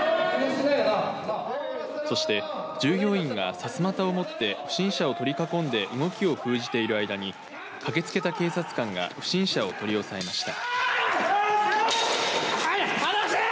そして従業員がさすまたを持って不審者を取り囲んで動きを封じている間に駆けつけた警察官が不審者を取り押さえました。